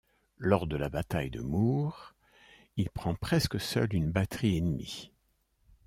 Lors de la bataille de Moor il prend presque seul une batterie ennemie.